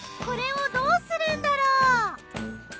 これをどうするんだろう？